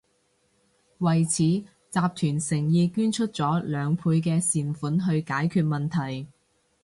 為此，集團誠意捐出咗兩倍嘅善款去解決問題